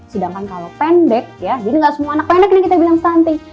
sedangkan kalau pendek ya jadi nggak semua anak pendek ini kita bilang stunting